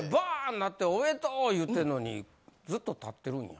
なって「おめでとう！」言うてんのにずっと立ってるんや？